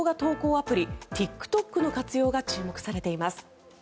アプリＴｉｋＴｏｋの活用が注目されています。